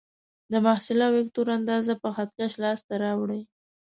د محصله وکتور اندازه په خط کش لاس ته راوړئ.